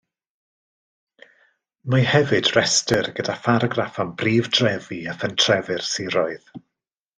Mae hefyd restr gyda pharagraff am brif drefi a phentrefi'r siroedd.